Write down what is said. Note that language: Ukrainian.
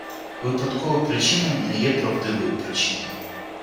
Випадкова причина не є правдивою причиною.